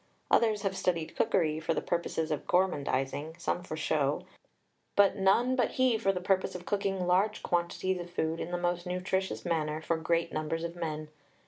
Others have studied cookery for the purposes of gormandizing, some for show, but none but he for the purpose of cooking large quantities of food in the most nutritious manner for great numbers of men.